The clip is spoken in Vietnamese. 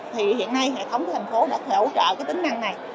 thì hiện nay hệ thống của thành phố đã có thể ủng hộ tính năng này